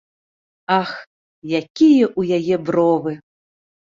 Ах, якія ў яе бровы!